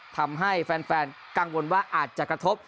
ทำให้แฟนกังวลว่าอาจจะกระทบ